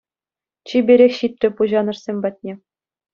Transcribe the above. Чиперех ҫитрӗ пуҫанӑшсем патне.